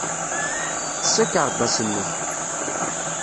Kkes akerbas-nnek.